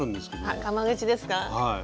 あがまぐちですか？